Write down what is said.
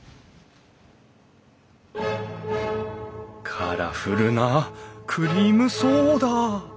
カラフルなクリームソーダ！